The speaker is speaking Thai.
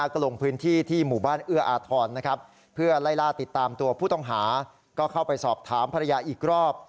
ก็เข้าไปสอบถามภรรยาอีกรอบ